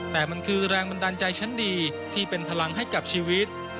แต่มันคือแรงบันดาลใจชั้นดีที่เป็นพลังให้กับชีวิต